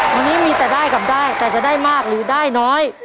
วันนี้มีแต่ได้กับได้แต่จะได้มากหรือได้น้อย